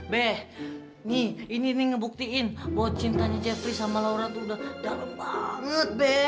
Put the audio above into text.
be nih ini ngebuktiin bahwa cintanya jafri sama laura tuh udah dalam banget be